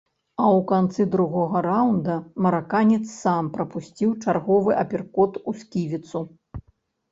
А ў канцы другога раўнда мараканец сам прапусціў чарговы аперкот у сківіцу.